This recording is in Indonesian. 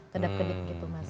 kedap kedip gitu mas